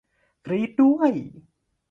กรี๊ดด้วย